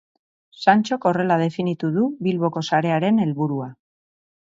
Santxok horrela definitu du Bilboko sarearen helburua.